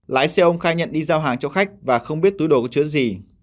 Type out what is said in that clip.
lái xe ông khai nhận đi giao hàng cho khách và không biết túi đồ có chứa gì